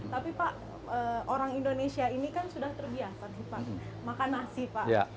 tapi pak orang indonesia ini kan sudah terbiasa makan nasi pak